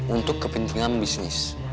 untuk kepentingan bisnis